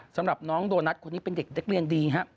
สำหรับน้องโดนัทคนนี้เป็นเด็กนักเรียนดีครับ